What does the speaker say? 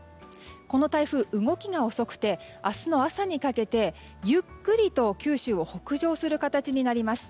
この台風、動きが遅くて明日の朝にかけて、ゆっくりと九州を北上する形になります。